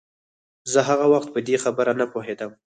زه هغه وخت په دې خبره نه پوهېدم.